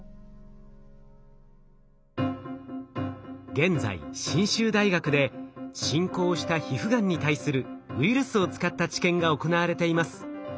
現在信州大学で進行した皮膚がんに対するウイルスを使った治験が行われています。